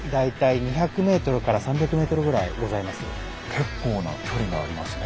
結構な距離がありますね。